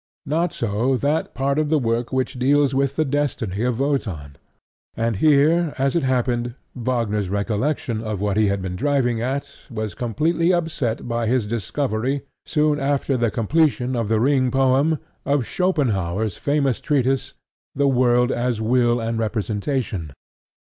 Not so that part of the work which deals with the destiny of Wotan. And here, as it happened, Wagner's recollection of what he had been driving at was completely upset by his discovery, soon after the completion of The Ring poem, of Schopenhaur's famous treatise "The World as Will and Representation."